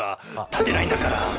立てないんだから！